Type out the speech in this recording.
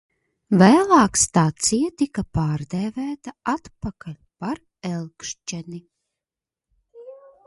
Vēlāk stacija tika pārdēvēta atpakaļ par Elkšķeni.